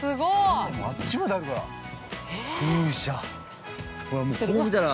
あっちまであるから。